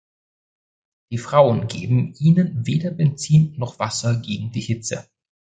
Die Frauen geben ihnen weder Benzin noch Wasser gegen die Hitze.